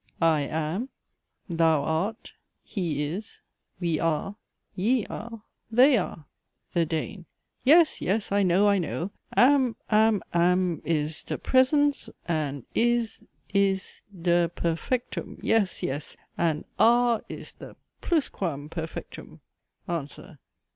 I am, thou art, he is, we are, ye are, they are. THE DANE. Yes, yes, I know, I know Am, am, am, is dhe praesens, and is is dhe perfectum yes, yes and are is dhe plusquam perfectum. ANSWER.